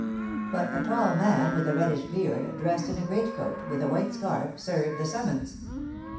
But a tall man, with a reddish beard, dressed in a great coat, with a white scarf, served the summons.